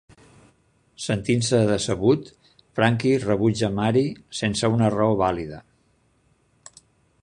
Sentint-se decebut, Frankie rebutja Mary sense una raó vàlida.